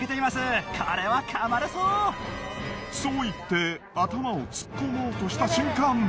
そう言って頭を突っ込もうとした瞬間